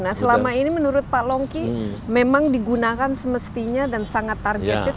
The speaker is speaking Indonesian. nah selama ini menurut pak longki memang digunakan semestinya dan sangat targeted